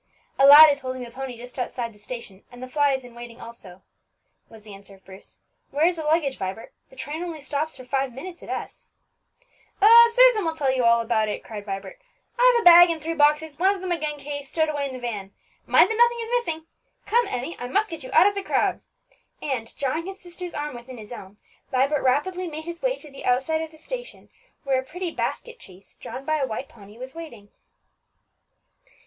"A lad is holding the pony just outside the station, and the fly is in waiting also," was the answer of Bruce. "Where is the luggage, Vibert? the train only stops for five minutes at S ." "Susan will tell you all about it," cried Vibert; "I've a bag and three boxes, one of them a gun case, stowed away in the van. Mind that nothing is missing. Come, Emmie, I must get you out of the crowd," and, drawing his sister's arm within his own, Vibert rapidly made his way to the outside of the station, where a pretty basket chaise, drawn by a white pony, was waiting.